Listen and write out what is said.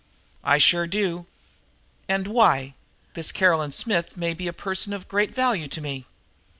"I sure do." "And why? This Caroline Smith may be a person of great value to me."